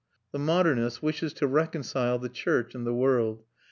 The modernist wishes to reconcile the church and the world.